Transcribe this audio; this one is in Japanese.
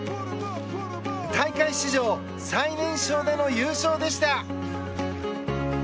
大会史上最年少での優勝でした。